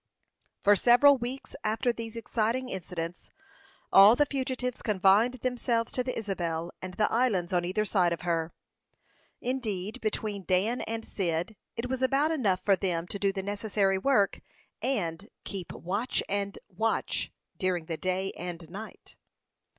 For several weeks after these exciting incidents, all the fugitives confined themselves to the Isabel and the islands on either side of her. Indeed, between Dan and Cyd, it was about enough for them to do the necessary work, and keep "watch and watch" during the day and night.